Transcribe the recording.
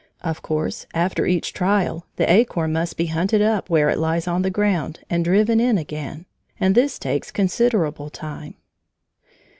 Of course after each trial the acorn must be hunted up where it lies on the ground and driven in again, and this takes considerable time.